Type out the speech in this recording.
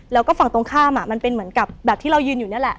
แล้วก็ฝั่งตรงข้ามมันเป็นเหมือนกับแบบที่เรายืนอยู่นี่แหละ